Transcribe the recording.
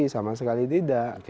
sama sekali tidak